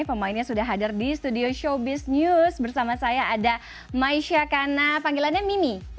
pemainnya sudah hadir di studio showbiz news bersama saya ada maisha kana panggilannya mini